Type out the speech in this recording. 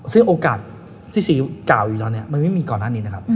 ซึ่งโอกาสที่สิ่งเก่าอยู่แล้วเนี่ยมันไม่มีก่อนหน้านี้นะครับ